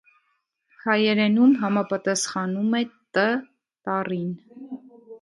Հայերենում համապատասխանում է «Տ տ» տառին։